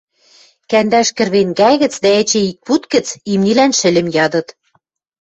Кӓндӓкш кӹрвенгӓ гӹц дӓ эче ик пуд гӹц имнилӓн шӹльӹм ядыт!..